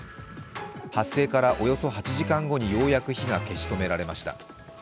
発生からおよそ８時間後にようやく火が消し止められました。